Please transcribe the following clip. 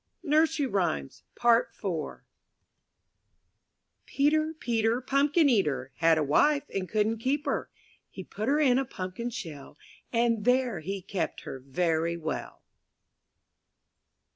quack '" 23 MY BOOK HOUSE DETER, Peter, pumpkin eater, ■• Had a wife and couldn*t keep her; He put her in a pumpkin shell. And there he kept her very well.